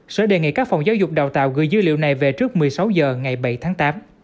sở đề nghị các phòng giáo dục đào tạo gửi dữ liệu này về trước một mươi sáu h ngày bảy tháng tám